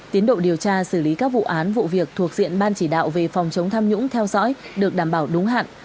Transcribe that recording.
tiến độ điều tra xử lý các vụ án vụ việc thuộc diện ban chỉ đạo về phòng chống tham nhũng theo dõi được đảm bảo đúng hạn